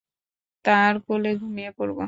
তার কোলে ঘুমিয়ে পড়ব।